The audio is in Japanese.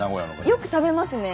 よく食べますね。